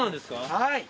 はい。